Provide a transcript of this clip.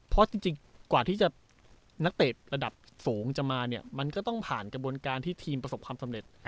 เพราะจริงกว่าที่นักเตะระดับสูงจะมาเนี่ยมันก็ต้องผ่านกระบวนการที่ทีมประสบความสำเร็จ